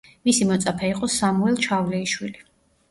მისი მოწაფე იყო სამუელ ჩავლეიშვილი.